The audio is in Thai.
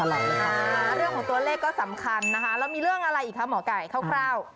แล้วมีเรื่องอะไรอีกคะหมอไก่เข้า